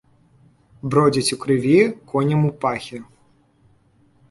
Бродзяць ў крыві коням ў пахі.